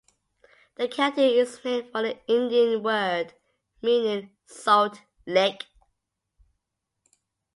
The county is named for an Indian word meaning "salt lick".